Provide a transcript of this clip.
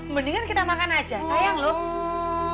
mendingan kita makan aja sayang lho